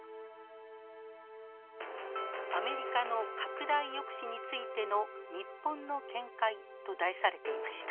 「アメリカの拡大抑止についての日本の見解」と題されていました。